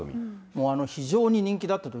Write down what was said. もう非常に人気だったと。